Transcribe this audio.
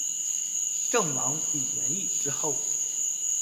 郑王李元懿之后。